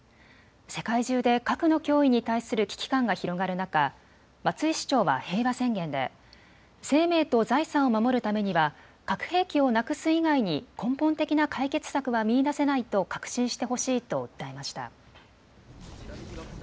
世界中で核の脅威に対する危機感が広がる中、松井市長は平和宣言で生命と財産を守るためには核兵器をなくす以外に根本的な解決策は見いだせないと確信してほしいと訴えました。